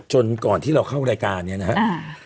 ก่อนที่เราเข้ารายการเนี่ยนะครับ